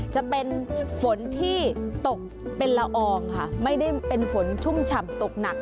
จะเป็นฝนที่ตกเป็นละอองค่ะไม่ได้เป็นฝนชุ่มฉ่ำตกหนัก